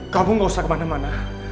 kamu tidak perlu kemana mana